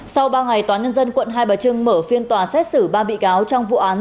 sau ba ngày tòa nhân dân quận hai bà trưng mở phiên tòa xét xử ba bị cáo trong vụ án